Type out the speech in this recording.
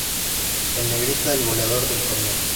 En Negrita el goleador del torneo.